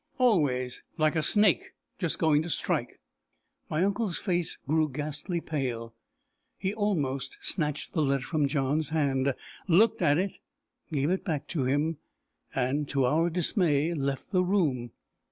"Always like a snake just going to strike." My uncle's face grew ghastly pale. He almost snatched the letter from John's hand, looked at it, gave it back to him, and, to our dismay, left the room.